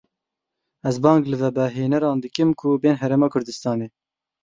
Ez bang li vebehêneran dikim ku bên Herêma Kurdistanê.